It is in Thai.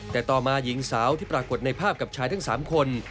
แต่ต่อมาหญิงสาวที่ปรากฏในภาพกับชายทั้ง๓คน